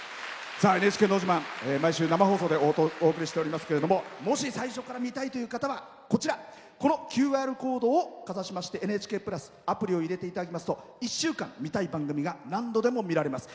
「ＮＨＫのど自慢」毎週生放送でお送りしていますがもし最初から見たいという方はこのＱＲコードをかざしまして「ＮＨＫプラス」アプリを入れていただきますと１週間、見たい番組が何度でも見られます。